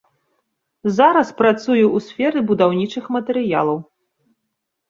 Зараз працую ў сферы будаўнічых матэрыялаў.